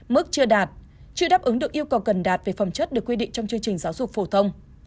mức chưa đạt chưa đáp ứng được yêu cầu cần đạt về phẩm chất được quy định trong chương trình giáo dục phổ thông